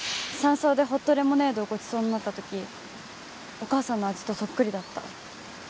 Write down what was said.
山荘でホットレモネードをごちそうになったときお母さんの味とそっくりだった。